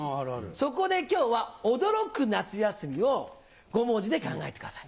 そこで今日は『驚く夏休み』を５文字で考えてください」。